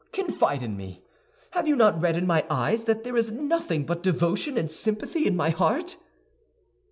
Confide in me. Have you not read in my eyes that there is nothing but devotion and sympathy in my heart?"